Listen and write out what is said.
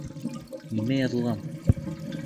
Нимә яҙылған?